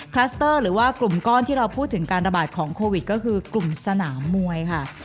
คลัสเตอร์หรือว่ากลุ่มก้อนที่เราพูดถึงการระบาดของโควิดก็คือกลุ่มสนามมวยค่ะ